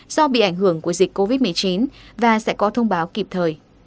do bị ảnh hưởng của dịch covid một mươi chín và sẽ có thông báo kịp thời